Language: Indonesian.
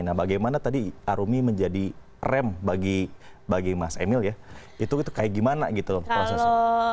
nah bagaimana tadi arumi menjadi rem bagi mas emil ya itu kayak gimana gitu loh prosesnya